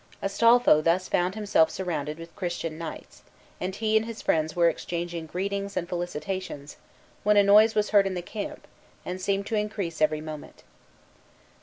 Astolpho thus found himself surrounded with Christian knights, and he and his friends were exchanging greetings and felicitations, when a noise was heard in the camp, and seemed to increase every moment.